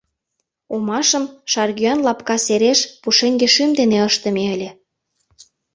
Омашым шаргӱан лапка сереш пушеҥге шӱм дене ыштыме ыле.